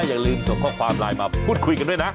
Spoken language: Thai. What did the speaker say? อย่าลืมส่งข้อความไลน์มาพูดคุยกันด้วยนะ